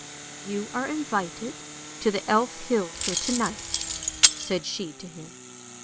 " You are invited to the Elf hill for to night," said she to him.